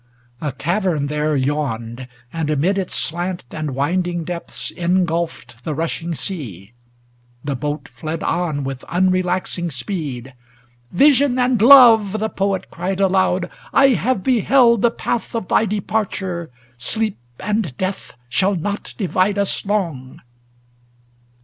A cavern there Yawned, and amid its slant and winding depths Ingulfed the rushing sea. The boat fled on With unrelaxing speed. ŌĆö * Vision and Love !' The Poet cried aloud, ' I have beheld The path of thy departure. Sleep and death Shall not divide us long.'